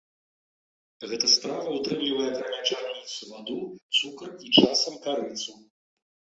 Гэта страва ўтрымлівае акрамя чарніц ваду, цукар і часам карыцу.